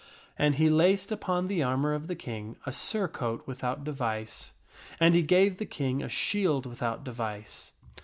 And he laced upon the armor Kin Arthur of the King a surcoat without device, and he gave the King set forth to re a shield without device.